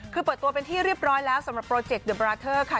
คือเปิดตัวเป็นที่เรียบร้อยแล้วสำหรับโปรเจกต์เดอร์บราเทอร์ค่ะ